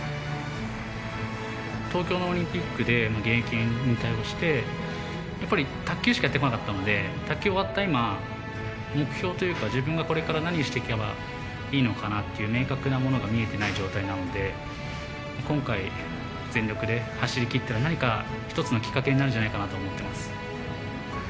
東京のオリンピックで、現役引退をして、やっぱり卓球しかやってこなかったので、卓球が終わった今、目標というか、自分がこれから何をしていけばいいのかなっていう明確なものが見えてない状態なので、今回、全力で走りきったら、何か一つのきっかけになるんじゃないかなと思ってます。